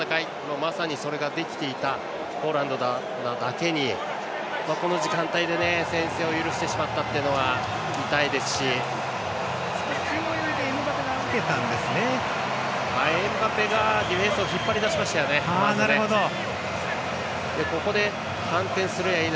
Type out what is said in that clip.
まさに、それができていたポーランドなだけにこの時間帯で先制を許してしまったというのはエムバペが受けたんですね。